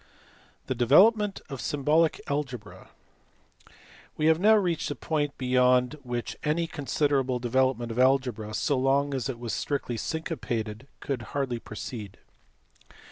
The development of symbolic algebra. We have now reached a point beyond which any con siderable development of algebra, so long as it was strictly syncopated, could hardly proceed.